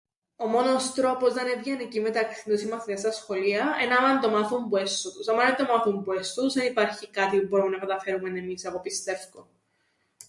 Ο μόνος τρόπος να 'ν' ευγενικοί μεταξύν τους οι μαθητές στα σχολεία εν' άμαν το μάθουν που έσσω τους. Άμαν εν το μάθουν που έσσω τους, εν υπάρχει κάτι που μπόρουμεν να καταφέρουμεν εμείς, εγώ πιστεύκω.